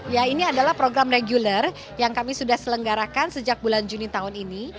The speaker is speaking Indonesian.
ya ini adalah program regular yang kami sudah selenggarakan sejak bulan juni tahun ini